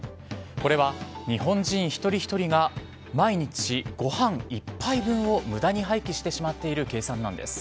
これは日本人１人１人が毎日ごはん１杯分をむだに廃棄してしまっている計算なんです。